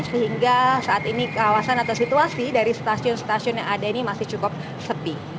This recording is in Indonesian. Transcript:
sehingga saat ini kawasan atau situasi dari stasiun stasiun yang ada ini masih cukup sepi